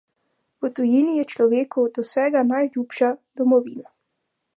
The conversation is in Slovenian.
V tujini je človeku od vsega najljubša domovina.